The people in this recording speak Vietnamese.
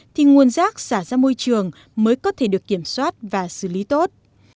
thì nguồn rác xả ra môi trường mới có thể được kiểm soát và xử lý tốt